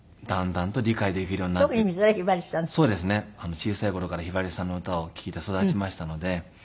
小さい頃からひばりさんの歌を聴いて育ちましたので。